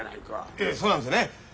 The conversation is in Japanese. ええそうなんですよね。